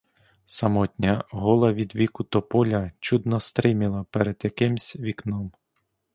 Самотня, гола від віку тополя чудно стриміла перед якимсь вікном.